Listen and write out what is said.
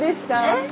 えっ？